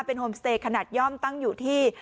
เป็นโฮมสเตย์ขนาดย่อมตั้งอยู่ที่